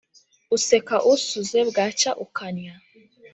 Useka usuze bwacya ukannya.